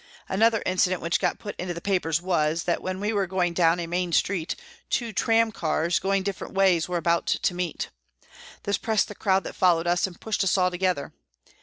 Another inci dent which got put into the papers was, that when we were going down a main street, two tramcars, going different ways, were about to meet. This pressed the crowd that followed us and pushed us all together.